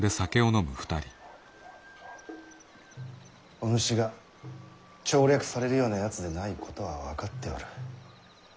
お主が調略されるようなやつでないことは分かっておる。